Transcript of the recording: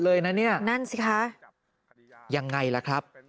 เลยนะเนี่ยนั่นสิคะยังไงล่ะครับ